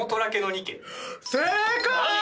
正解！